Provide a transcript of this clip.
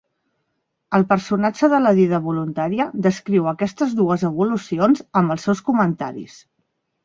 El personatge de la dida voluntària descriu aquestes dues evolucions amb els seus comentaris.